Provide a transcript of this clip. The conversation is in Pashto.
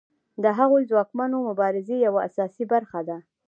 د هغوی ځواکمنول د مبارزې یوه اساسي برخه ده.